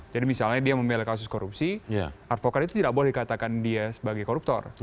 jadi misalnya dia memilih kasus korupsi advokat itu tidak boleh dikatakan dia sebagai koruptor